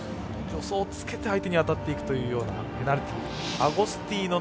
助走をつけて相手に当たっていくというようなペナルティー。